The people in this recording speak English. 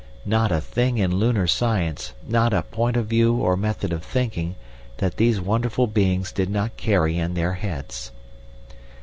(Not a thing in lunar science, not a point of view or method of thinking, that these wonderful beings did not carry in their heads!)